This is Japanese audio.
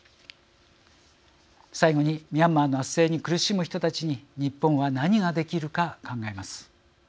最後にミャンマーの圧政に苦しむ人たちに日本は何ができるか考えます。